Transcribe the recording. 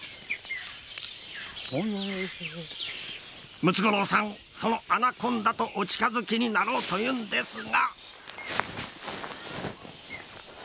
ムツゴロウさんそのアナコンダとお近づきになろうというんですが。